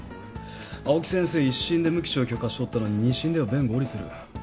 青木先生一審で無期懲役を勝ち取ったのに二審では弁護を降りてる。